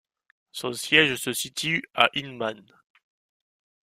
Son siège se situe à Hindman.